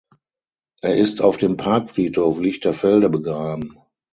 Er ist auf dem Parkfriedhof Lichterfelde begraben.